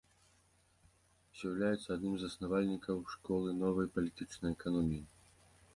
З'яўляецца адным з заснавальнікаў школы новай палітычнай эканоміі.